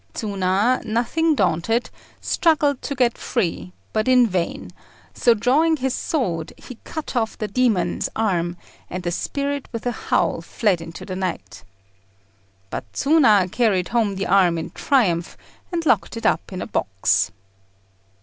Tsuna, nothing daunted, struggled to get free, but in vain, so drawing his sword he cut off the demon's arm, and the spirit with a howl fled into the night. But Tsuna carried home the arm in triumph, and locked it up in a box.